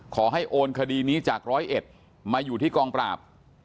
ขอให้โอนคดีนี้จากร้อยเอ็ดมาอยู่ที่กองปราบ